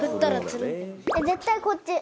絶対こっち！